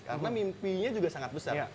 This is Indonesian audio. karena mimpinya juga sangat besar